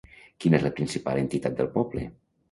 Quina és la principal entitat del poble?